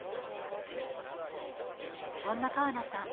そんな川名さん